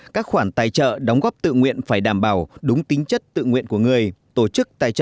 các khoản tài trợ đóng góp tự nguyện phải đảm bảo đúng tính chất tự nguyện của người